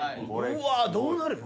・うわどうなる？